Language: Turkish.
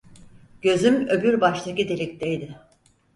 Gözüm öbür baştaki delikteydi.